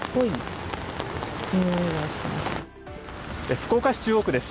福岡市中央区です。